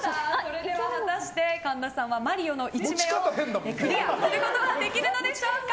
果たして神田さんは「マリオ」の１面をクリアすることはできるのでしょうか。